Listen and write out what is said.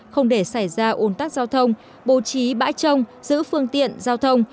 không để xảy ra ồn tắc giao thông bố trí bãi trông giữ phương tiện giao thông